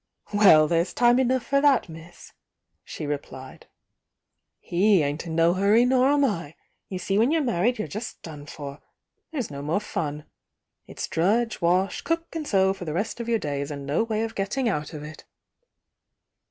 "Well, there's time enough for that, miss!" she replied, "i^e ain't in no hurry, nor am I ! You see when you're married you're just done for, — there's no more fun. It's drudge, wash, cook and sew for the rest of your days, and no way of getting out of it."